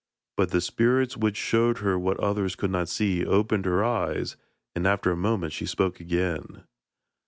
But the spirits, which showed her what others could not see, opened her eyes, and after a moment she spoke again.